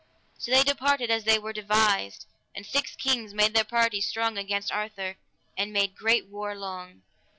So they departed as they here devised, and six kings made their party strong against Arthur, and made great war long.